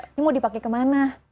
ini mau dipakai kemana